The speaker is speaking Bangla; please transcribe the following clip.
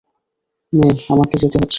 মে, আমাকে যেতে হচ্ছে।